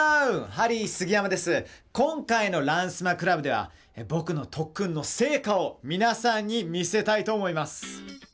今回の「ランスマ倶楽部」では僕の特訓の成果を皆さんに見せたいと思います。